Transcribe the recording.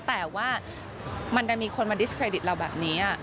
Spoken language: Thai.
แต่ว่ามันจะมีคนมาดิสเครดิตเราแบบนี้